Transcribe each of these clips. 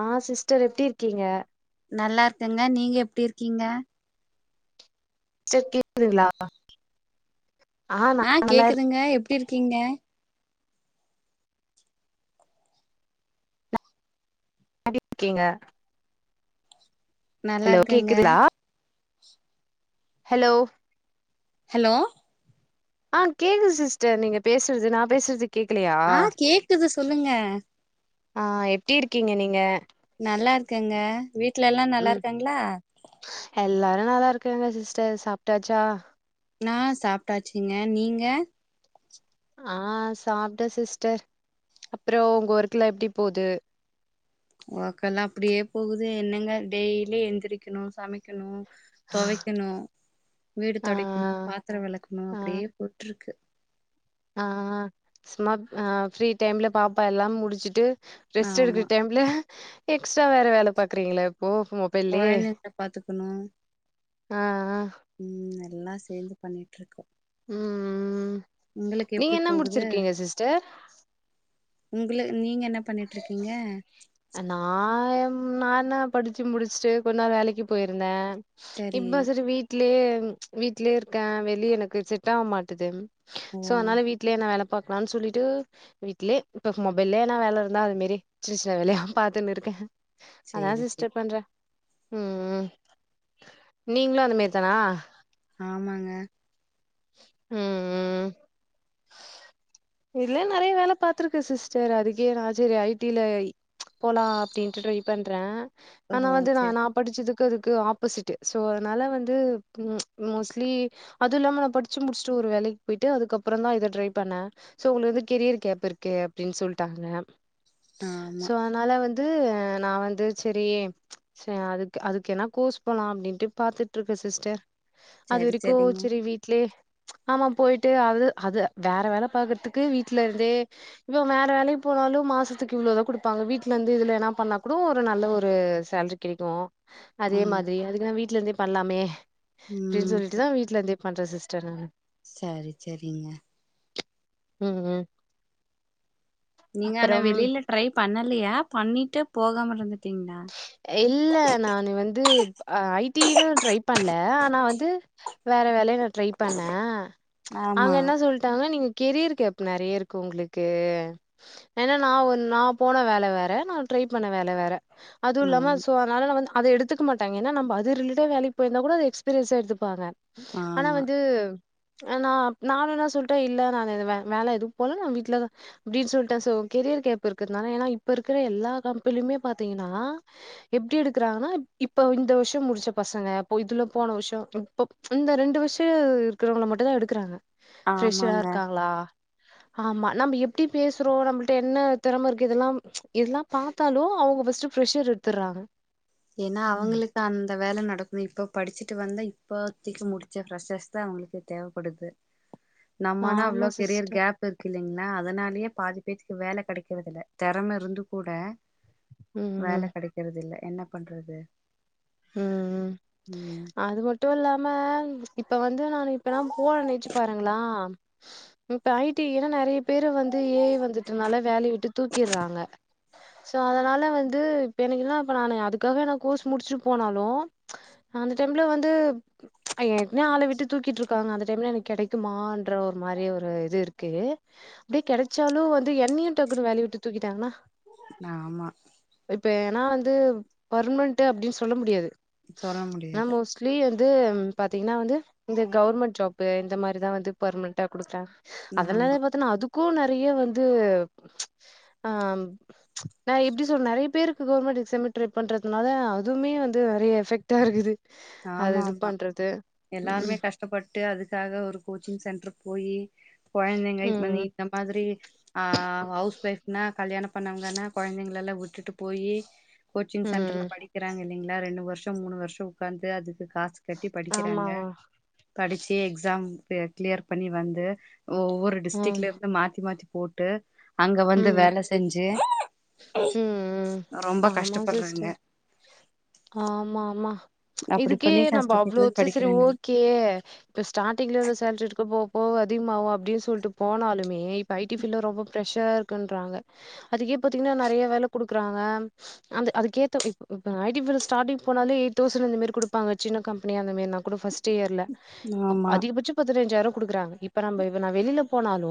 ஆ sister எப்டி இருக்கீங்க நல்லா இருக்கங்க நீங்க எப்டி இருக்கீங்க சிஸ்டர் கேக்துங்களா ஆ கேக்குதுங்க எப்டி இருக்கீங்க [unintelligible] இருக்கீங்க ஹலோ நல்லாருக்கங்க கேக்குதுலா ஹலோ ஹலோ ஆ கேக்குது சிஸ்டர் நீங்க பேசுறது நா பேசுறது கேக்கலையா ஆ கேக்குது சொல்லுங்க ஆ எப்டி இருக்கீங்க நீங்க நல்லா இருக்கங்க வீ ட்ல எல்லா நல்லாருக்காங்களா நா நல்லாதா இருக்கங்க சிஸ்டர் சாப்ட்டாச்சா நா சாப்ட்டாச்சுங்க நீங்க ஆ சாப்ட்டேன் சிஸ்டர் அப்றோ உங்க ஒர்க்கல்லா எப்டி போது ஒர்க்கெல்லா அப்டியே போகுது என்னங்க டெய்லி எந்திரிக்கணு சமைக்கணு தொவைக்கணு வீடு ஆ தொடைக்கணு பாத்தரம் வெளக்கணு அப்டியே போயிட்ருக்கு ஆ ஆ ஆ சும்மா ஆ ஃப்ரீ டைம்ல பாப்பா எல்லா முடிச்சிட்டு ரெஸ்ட் ஆமா எடுக்குற டைம்ல எக்ஸ்ட்டா வேற வேல பாக்குறீங்களா இப்போ மொபைல்லயே கொழந்தைங்கள பாத்துக்கணு ஆ ஆ ம் எல்லா சேந்து பண்ணிட்டு இருக்கோ ம் நீங்க எப்டி என்ன போகுது முடிச்சிருக்கீங்க சிஸ்டர் உங்கள நீங்க என்ன பண்ணிட்ருக்கீங்க நா நானா படிச்சி முடிச்சிட்டு கொஞ்ச நாள் வேலைக்கு போயிருந்தே இப்ப சரி வீட்லே ம் ச் வீட்லயே இருக்கேன் வெளிய எனக்கு செட்டாக மாட்டுது ஓ சோ அதனால வீட்லே நா வேல பாக்கலான்னு சொல்லிட்டு வீட்லயே இப்ப மொபைல்லயே நா வேல இரு நா அதுமேரி சின்ன சின்ன வேலையா பாத்துன்னு இருக்கே அதா சேரி சேரி சிஸ்டர் பண்றே உம் நீங்களு அந்த மேரி தானா ஆமாங்க உம் இல்ல நெறைய வேல பாத்திருக்கு சிஸ்டர் அதுக்கே நா சரி ஐ டில போலா அப்டின்ட்டு ட்ரை பண்றே. ஓ ஆனா வந்து நா சேரி நான் படிச்சதுக்கு க்குதுக்கு ஆப்போசிட் சோ அதனால வந்து ம்ச் மோஸ்ட்லி அது இல்லாம நா படிச்சு முடிச்சுட்டு ஒரு வேலைக்கு போயிட்டு அதுக்கப்பறோ தா இத ட்ரை பண்ண சோ உங்களுக்கு வந்து கெரியர் கேப் இருக்கு அப்டின்னு சொல்ட்டாங்க ஆமா சோ அதனால வந்து து நா வந்து செரி செ அதுக்கு அதுக்கு என்ன கோர்ஸ் போலா அப்டின்ட்டு பாத்துட் இருக்கே சிஸ்டர் அது சரி வரைக்கு சரிங்க செரி வீட் ஆமா போயிட்டு அது அது வேற வேல பாக்கறதுக்கு வீட்டுல இருந்தே இப்போ வேற வேலைக்கு போனாலு மாசத்துக்கு இவ்வளவுதா குடுப்பாங்க வீட்டுல இருந்து இதுல என்ன பண்ணா கூட ஒரு நல்ல ஒரு சேலரி கிடைக்கு ஆ அதே மாதி அதுக்கு நா வீட் வீட்ல இருந்தே பண்ணலாமே அப்டின் ம் சொல்லிட்தா வீட்டு்ல இருந்தே பண்ணுற சிஸ்டர் நானு சரி சரிங்க உம் உம். நீங்க ஆனா வெளியில ட்ரை பண்ணலையா பண்ணிட்டு போகாம இருக் இல்ல நான்னு வந்து ஐ டினு ட்ரை பண்ணல ஆனா வந்து வேற வேலைகள் ட்ரை பண்ண ம்ச் அவங்க ஆமா என்ன சொல்ட்டாங்க நீங்க கெரியர் கேப் நெறைய இருக்கு உங்களுக்கு ஏன்னா நா ஒரு நா போன வேல வேற நா ட்ரை பண்ண வேல வேற அது இல்லமா ஆமா சோ அதுனால நா வந்து அத எடுத்துக்க மாட்டங்க ஏன்னா நம்ப அது ரிலேட்டடா வேலைக்கு போயிருந்தா கூட அத எக்ஸ்பீரியன்ஸா எடுத்ப் ப்பாங்க ஆனா ஆமா வந்து ஆனா நானு என்னா சொல்டே இல்ல நான் வேல எதுவு போல நான் வீட்டுலதா அப்டின் சொல்லிட்டே கெரியர் கேப் இருக்கறதுனால ஏன்னா இப்ப இருக்கிற எல்லா கம்பென்லியுமே பாத் த்தீங்கன்னா எப்டி எடுக்கிறாங்கனா இப்ப இந்த வருஷோ முடிச்ச பசங்க போ இதுல போன வருஷோ இப்போ ம்ச இந்த ரெண்டு வருஷோ இருக்குறவங்கள மட்டு தா எடுக்குறாங்க ஃப்ரெஷ்ஸரா ஆமாங்க இருக்காங்களா ஆமா நம்ம எப்டி பேசுறோ நம்மள்ட்ட என்ன திறம இருக்கு இதெல்ல ம்ச் இதெல்லா பாத்தாலு அவங்க பிஸ் ஸ்ட்டு பிரெஷ்ஸர் எடுத்துர்றாங்க ஏன்னா அவுங்களுக்கு அந்த வேல நட டக்குன்னு இப்போ படிச்சுட்டு வந்தா இப்பத்திக்கு முடிச்ச பிரெஷ்ஸர்ஸ் தான் அவங்களுக்கு தேவைப்படுது நம்மனா ஆமா அவ்ளோ பெறியர் சிஸ்டர் கேப் இருக்கு இல்லைங்ளா நா அதனாலயே பாதி பேத்துக்கு வேல கெடைக்கறது இல்ல தெறம இருந்து கூட ம் வேல ம் கெடைக்கறது இல்ல என்னப் பண்றது உம் உம் ம் அது மட்டு இல்லாம இப்ப வந் து நானு இப்பல்லா போர நென்ச்சு பாருங்களா உம் இப்ப ஐ டி ன்ன நெறைய பேரு வந்து ஏ ஐ வந்துட்டுனால வேல விட்டு தூக்கிறாங்க சோ அதனால வந்து இப்ப எனக்குல்லா இப்ப நானு அதுக்காக என்ன கோர்ஸ் முடிச்சுட்டு போனாலு நா அந்த டைம்ல வந்து ஏற்கனே ஆள விட்டு தூக்கிட்டு இருக்காங்க அந்த டைம்ல எனக்கு கிடைக்குமான்ற ஒரு மாரி ஒரு இது இருக்கு அப்டியே கெடைச்சாலு வந்து என்னையு டக்குன்னு வேலய விட்டு தூக்கிட்டாங்கன்னா ஆமா ஆனா வந்து பர்மனன்டு அப்டினு சொல்ல முடியாது சொல்ல நா முடியாது மோஸ்லி வந் து பாத்தீங்கன்னா வந்து இந்த கவர்மெண்ட் ஜாபு இந்த மாரிதா வந்து பர்மன்டா குடுத்தே ஆமா அதெல்லே பாத்தேனா அதுக் கூ நெறைய வந்து நா ந எப்டி சொல் நெறைய பேருக்கு கவுர்மெண்ட் எக்ஸாம ட்ரை பண்றதுனால அதுவுமே வந்து நெறைய எஃபெக்ட் ஆ இருக்குது அது ஆமா இது ஆமா பண்றது எல்லாருமே ம் கஷ்டப்பட்டு அதுக்காக ஒரு கோச்சிங் சென்டர் போயி கொழந்தைங்க இப்ப நீ ம் இந்த மாதிரி ஆஹ் ஹவுஸ் ஒய்ஃப்னா கல்யாண பண்ணவுங்கன்னா கொழந்தைங்கல்லா விட்டுட்டு போயி கோச்சிங் சென்டர்ல ம் படிக்கிறாங்கல்ல ங்களா ரெண்டு வருஷோ மூணு வருஷோ பிரண்ட் அதுக்கு காசு கட்டி ஆமா படிக்கிறாங்க படிச்சு எக்ஸாம் பே கிளியர் பண்ணி வந்து ஒவ்வொரு ம் டிஸ்ட்ரிக்ல இருந்து மாத்தி மாத்தி போட்டு அங்க வந்து ம் வேல செஞ்சு ம் ம் [inaudible] ஆமா கஷ்டப்படுறாங்க சிஸ்டர் ஆமா ஆமா அப்டி இதுக்கே பண்ணி நம்மோ அவ்ளோ கஷ்டப்பட்டுதா வச்சு சேரி படிக்கிறாங்க ஓகே இப்ப ஸ்டாரிங்ல இவ்ளோ சேலரி இருக் போ போக அதிகமாவா அப்டினு சொல்லிட்டு போனாலுமே இப்ப ஐ டி பீல்ல ரொம்ப ஃப்ரெஷரா இருக்குன்றாங்க அதுக்கே பாத்தீங்கன்னா நெறைய வேல குடுக்குறாங்க அந்த அதுக்கேத்த இப் இப்ப ஐ டி பீல்ல ஸ்டார்டிங் போனாலே எயிட் தௌசண் அந்த மாரி குடுப்பாங்க சின்ன கம்பெனியா இந்தாமே நா கூட ஃபஸ்ட் இயர்ல [inaudible] ஆமா அதிகபட்சோ பதினைஞ்சாயிரோ குடுக்குறாங்க இப்ப நம்மோ நா வெளியில போன லு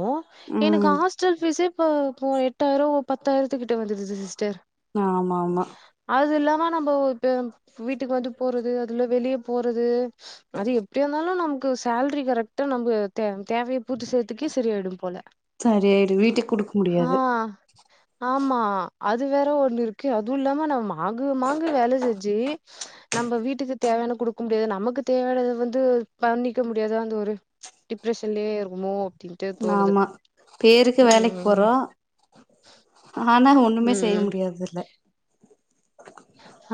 எனக்கு ம் ஹாஸ்டல் பீஸே இப்ப போ எட்டாயிரோ பத்தாயிரத்துக்கிட்ட வந்துருது சிஸ்டர் ஆமா ஆமா நம்ப இப்ப வீட்டுக்கு வந்து போறது அதுல வெளிய போறது அது எப்டியாந்தாலு நாம் க்கு சேல்ரி கரெக்ட்டா நம்ப தே தேவைய பூத்து செய்ரத்துக்கே செரிய ஆயிடு போல சரியாயிடு வீட்டுக்கு குடுக்க ஹ முடியாது ஆமா அது வேற ஒண்ணு இரு கே அதுல்லாம நம்ம மாங்கு மாங்கு வேல செஞ்சி நம்ப வீட்டுக்கு தேவையான குடுக்க முடியாது நமக்கு தேவையானத வந்து பண்ணிக்க முடியாத அந்து ஒரு டிப்ரெஷன்லயே இருக்குமோ அப்டின்ட்டு தோணுது ஆமா பேருக்கு வேலைக்கு ம் போறோ ஆனா ஒண்ணுமே செய்ய ம் முடியறதில்ல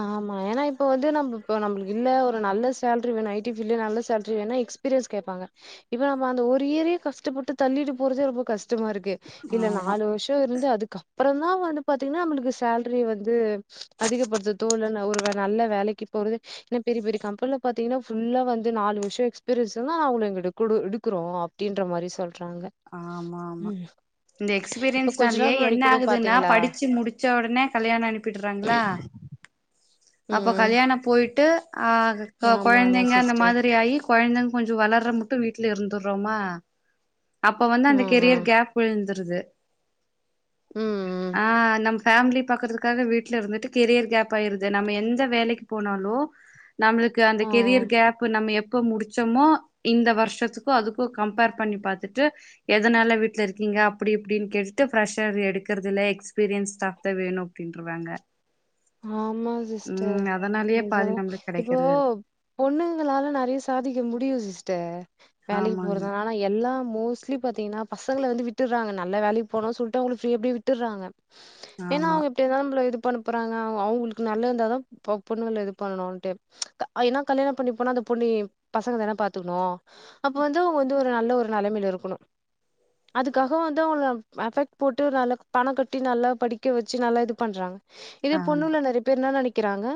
ஆமா ஏன்னா இப்ப வந்து நம்ம இப் நம்மளு இல்ல ஒரு நல்ல சேல்ரி வேணும் ஐ டி ஃபில்ட் நல்ல சேலரி வேண்ணா எக்ஸ்பீரியன்ஸ் கேட்பாங்க இப்ப நம்ம அந்த ஒரு இயரே கஷ்டப்பட்டு தள்ளிட்டு போறதே ரொம்ப கஷ்டமா இரு க்கு இல்ல ஆமா நாலு வருஷோ இருந்து அதுக்க அப்றந்தா வந்து பாத்தீங்கன்னா நம்ளுக்கு சேல்ரி வந்து அதிகப்படுத்த தோ [unintelligible] இல்ல ஒரு நல்ல வேலைக்கு போறது என்னா பெரிய பெரிய கம்பென்ல பாதீங்கன்னா ஃபுல்லா வந்து நாலு வருஷம் எக்ஸ்பீரியன்ஸ் தா அவ [unintelligible] எடுகுறோ அப்டின்ற மாரி சொல் ஆமா ஆமா இந்த இப்ப கொஞ்ச எக்ஸ்பீரியன்ஸ்னாலயே நாள் முன்னாடி என்ன கூட ஆகுதுன்னா பாத்தீங்களா படிச்சு முடிச்ச உடனே கல்யாண அனுப்பிடுறா ங்களா அப்ப ம் கல்யாண போயிட்டு ஆஹ் கொ ஆமா ஆமா கொழந்தைங்க அந்த சிஸ்டர் மாதிரி ஆயி கொழந்தங் கொஞ்சு வளர்ற முட்டு வீட்டுல இருந்தர்றோமா அப்ப வந்து ஆ அந்த ஆ கெரியர் கேப் விழுந்திருது ம் ம் [inaudible] ஹ நம் ஃபேம்லி பாக்றதுக்காக வீட்டுல ருந்துட்டு கெரியர் கேப் ஆயிருது நம்ம எந்த வேலைக்கு போனாலு நம்மளுக்கு அந்த ஆ கெரியர் கேப் நம்ம யப் க்கோ முடிச்சமோ இந்த வருஷத்துக்கு அதுக்கு கம்பேர் பண்ணி பாத் ட்டு எதனால வீட்டுல இருக்கீங்க அப்டி இப்டின் கேட்டுட்டு ஃப்ரரெஷர் எடுக்றது இல்ல எக்ஸ்பீரியன்ஸ் ஸ்டாப் தா வேணு அப்டின்ருவாங்க ஆமா சிஸ்டர் ம் அதனாலயே நீங் பாதி சொல் நம்மளுக்கு இப்போ கெடைக்கறது இல்ல பொண்ணுங்களால நெறைய சாதிக்க முடியு சிஸ் டேட் வேலக்கு ஆமாங்க போறதுனால எல்லாம் மோஸ்லி பாத்திங்கன்னா பசங்கள வந்து விட்டுறாங்க நல்ல வேலைக்கு போனு சொல்ட்டு அவங்க ஃப்ரீ அப்டியே விட்டுர்றாங்க ஏன்னா ஆமா அவங்க இப்டில நம்பள இது பனுப்ப ப்றாங்க அவங்களுக்கு நல்ல இருந்தாதா ப பொண்ணுங்கல்ல இது பண்ணணுன்டு ஏன்னா கல்யாணம் பண்ணி போனா அந்த பொண்ண பசங்க தான பாத்துக்ணு அப்ப வந்து அவங்க வந்து ஒரு நல்ல ஒரு நெலைமையில இருக்கணு அதுக்காக வந்து அவங்க எபெஃக்ட் போட்டு நல்ல பணம் கட்டி நல்லா படிக்க வச்சு நல்லா இது பண்றாங்க இதே ஆமா பொண்ணுகள நெறைய பேர் என்னா நெனைக் க்கிறாங்க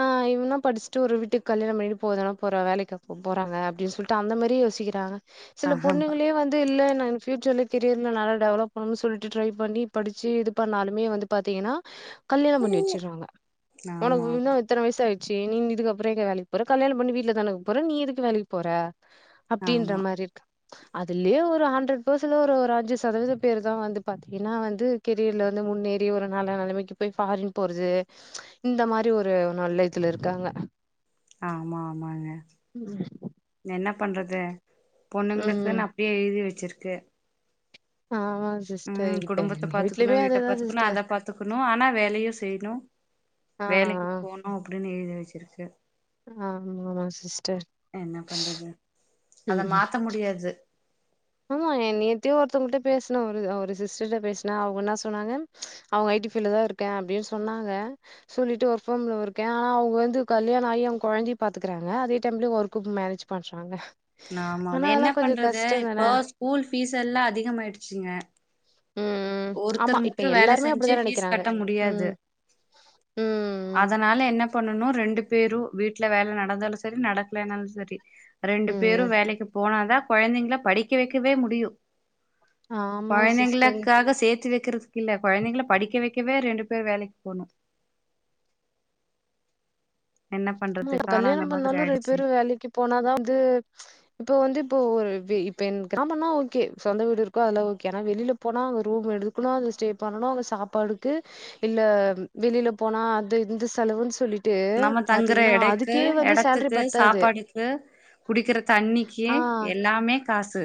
ஆ இவன்னே படிச்சுட்டு ஒரு விட்டுக்கு கல்யாண பண்ணிட்டு போக தானா போற வேலைக்கா போப் போறாங்க அப்டின்னு சொல்லிட்டு அந்த மாரி யோசிக்றாங்க சில ஆமா பொண்ணுங்களே வந்து இல்ல பியூச்சர்ல கெரியர் நல்லா டெவலப் பண்ணும்னு சொல்லிட்டு ட்ரை பண்ணி படிச்சு இது பண்ணாலுமே வந்து பாத்தீங்கன்னா கல்யாணம் பண்ணி வெச்சிறாங்க ஆமா உனக்கு ஆமா இன்னும் இத்தன வயசு ஆயி செரி நீ இதுக்கப்பறோ எங்க வேலைக் போற கல்யாணோ பண்ணி வீட்ல தான இருக்க போற நீ எதுக்கு வேலைக்கு போற அப்டின்ற ஆமா மாரி இக் அதுலயே ஒரு ஹண்ட்ரட் ப்பெர்சன்ல ஒரு ஒரு அஞ்சு சதவீத பேர் தா வந்து பாத்தீங்கன்னா வந்து கெரியர்ல வந்து முன்னேறி ஒரு நல்ல நெலமைக்கு போய் ஃபாரின் போறது இந்த மாரி ஒரு நல்ல இதுல இருக்காங்க ஆமா ஆமாங்க என்ன பண்றது ம் பொண்ணுங்களுக்குனு அப்டியே எழுதி வச்சிரு கே ஆமா சிஸ்டர் ம் இப்ப குடும்பத்த எங்க பாத்துக்கணு வீட்லயுமே வீட்ட அதேதா பாத்துக்கணு சிஸ்டர் அத பாத்துக்கணு ஆனா வேலையு செய்ணு ஆ வேலைக்கு போணு அப்டின்னு எழுதிருக் வச்சிருக்கு ஆமா சிஸ்டர் என்ன பண்றது அத ம் மாத்த முடியாது ஆமா ஏ நேத்தியே ஒருத்தவங்கட்ட பேசுனே ஒரு ஒரு சிஸ்டர்ட்ட பேசுன அவுங்க என்ன சொன்னாங்க அவுங்க ஐ டி ஃபீல்ட்தா இருக்க அப்டின்னு சொன்னாங்க சொல்லிட்டு ஒர்க் ஃப்ரம் ஹோம்ல இருக்க ஆனா அவுங்க வந்து கல்யாண ஆயி அவுங்க கொழந்தைய பாத்துக்குறாங்க அதே டைம்லையு ஒர்க்கும் மேனேஜ் பண்றாங்க ஆமா ஆனா ஆமா என்ன அதெல்லா கொஞ்சோ பண்றது கஷ்டோ தான இப்போஸ் ஸ்கூல் ஃபீஸ் எல்லா அதிகமாயிடுச்சுங்க ம் ம் ஒருத்தர் ஆமா இப்ப மற்றும் வேல எல்லாருமே செஞ்சி அப்டிதா ஃபீஸ் நெனைக்கிறாங்க கட்ட முடியாது ம் ம் அதனால என்ன பண்ணனு ரெண்டு பேரு வீட்ல வேல நடந்தாலு சரி நடக்கலேனாலு சரி ம் ரெண்டு பேரு ம் வேலைக்கு போனாதா கொழந்தைங்கள படிக்க வக்கவே முடியு ஆமா சிஸ்டர் காக சேத்தி வக்கிறதுக்கு இல்ல கொழந்தைங்கள படிக்க வக்கவே ரெண்டு பேர் வேலைக்கு போணு என்ன பண்றது ஆமா காலோ கல்யாண அந்த மாதிரி பண்ணாலு ரெண்டு ஆயிடுச்சு பேரு வேலைக்கு போனாதா வந்து இப்போ வந்து இப்போ ஒரு வே இப்ப என் கிராமன்னா ஓகே சொந்த வீடு இருக்கு அதெல்லா ஓகே ஆனா வெளில போனா அங்க ரூம் எடுக்கணு அது ஸ்டே பண்ணனு அங்க சாப்பாடுக்கு இல்ல வெளில போனா அது இந்த செலவுன்னு சொல்லி ட்டு பத் ங்கற எடைக்கு எடத்துக்கு சாப்பாடுக்கு குடிக்கிற தண்ணிக்கு ஆ எல்லாமே காசு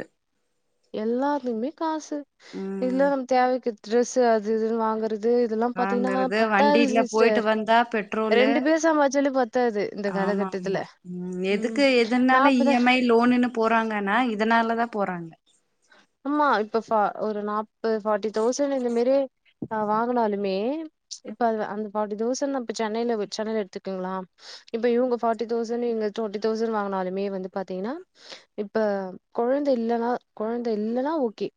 எல்லாருமேக் காசு ம் இதுல நம்ம தேவைக்கேத் டிரெஸு அது இதுன்னு வாங்குற வாங்கறது வண்டியில போயிட்டு சிஸ்டர் வந்தா பெட்ரோலு ரெண்டு பேர் சம்பாதிச்சாலே பத்தாது இந்த ஆமா காலகட்டத்துல ஆமா ம் எதுக்கு நா எதுனால இ அப்பதா எம் ஐ லோனுன்னு போறாங்கன்னா இதனாலதா போறாங்க ஆமா இப்ப ஃப ஒரு நாப்பது ஃபார்ட்டி தௌசண் இந்த மேரி ஆ வாங்குனாலுமே இப்ப அதுவ அந்த ஃபார்ட்டி தௌசண் நா இப் சென்னையில வெச் சென்னையில எடுத்துக்குங்களா இப்ப இவுங்க ஃபார்ட்டி தௌசண் இங்க டொண்டி தௌசண் வாங்குனாலுமே வந்து பாத்தீங்கன்னா இப்ப கொழந்த இல்லன்னா கொழந் இது இல்லேன்னா ஓகே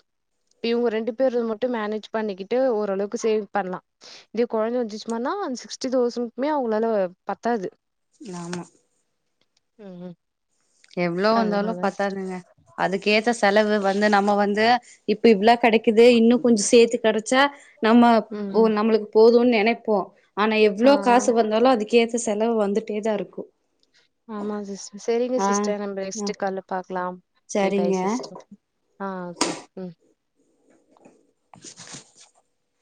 இவுங்க ரெண்டு பேரு மட்டு மேனேஜ் பண்ணிக்கிட்டு ஓரளவுக்கு சேவிங் பண்லா இதே கொழந்த வந்துச்சுமன்னா அந்த சிக்ஸ்டி தௌசனுக்குமே அவுங்களால பத்தாது நாமோ ம் ம் எவ்வளோ வந்தாலு பத்தாதுங்க அதுக்கேத்த செலவு வ த நம்ம வந்து இப்ப இவ்ளா கெடைக்குது இன்னுங் கொஞ்சோ சேத்து கெடச்சா நம்மப் ஓ ம் நம்ளுக்கு போதுனு நெனைப்போ ஆனா ஆ எவ்வளோ காசு வந்தாலு அதுக் கேத்த செலவு வந்துட்டே தாருக்கூ ஆமா சிஸ் செரிங்க சிஸ்டர் நம்ம ஆ நெக்ஸ்ட்டு கால்ல பாக்லாம் சரிங்க ஆஹ் ஓகே ம்